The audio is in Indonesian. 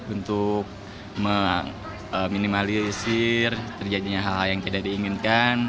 untuk meminimalisir terjadinya hal hal yang tidak diinginkan